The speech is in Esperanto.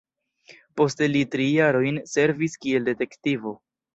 Poste li tri jarojn servis kiel detektivo.